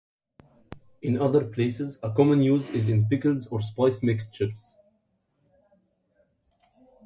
In other places, a common use is in pickles or spice mixtures.